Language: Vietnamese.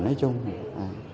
nói chung là